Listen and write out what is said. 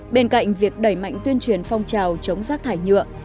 bên cạnh việc đẩy mạnh tuyên truyền phong trào chống rác thải nhựa